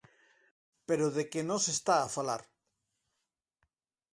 ¿Pero de que nos está a falar?